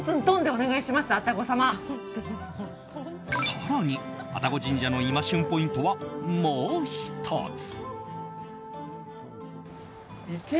更に愛宕神社の今旬ポイントはもう１つ。